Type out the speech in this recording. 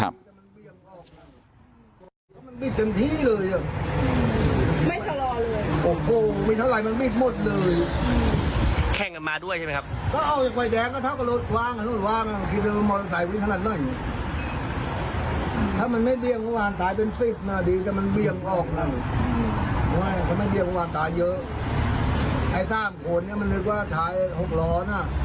ไม่มีอะไรเลยรถบาทจอดสลิงยังอยู่กลาง